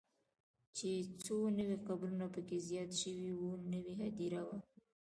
چې څو نوي قبرونه به پکې زیات شوي وو، نوې هدیره وه.